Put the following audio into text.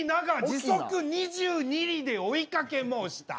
時速２２里で追いかけもうした。